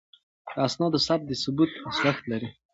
د اسنادو ثبت د ثبوت ارزښت لري.